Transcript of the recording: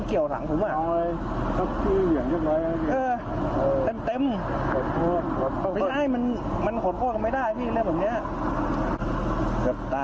เกือบตายเดี๋ยวเมื่อกี้ไม่ตายก็เจ็บ